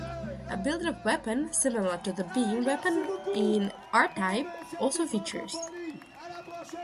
A 'build-up' weapon, similar to the 'beam' weapon in "R-Type", also features.